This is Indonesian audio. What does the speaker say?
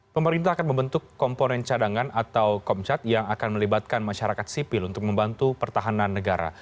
pemerintah akan membentuk komponen cadangan atau komcat yang akan melibatkan masyarakat sipil untuk membantu pertahanan negara